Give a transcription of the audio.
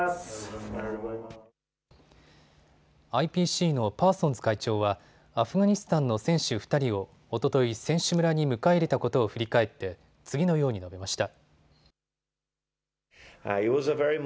ＩＰＣのパーソンズ会長はアフガニスタンの選手２人をおととい選手村に迎え入れたことを振り返って次のように述べました。